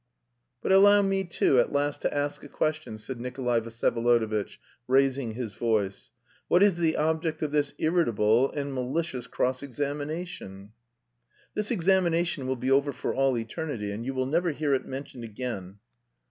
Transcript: "But allow me too at last to ask a question," said Nikolay Vsyevolodovitch, raising his voice. "What is the object of this irritable and... malicious cross examination?" "This examination will be over for all eternity, and you will never hear it mentioned again."